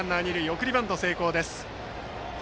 送りバント成功です。